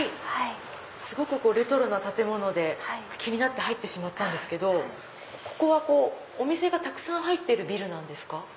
すごくレトロな建物で気になって入ったんですけどここはお店がたくさん入ってるビルなんですか？